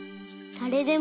だれでも？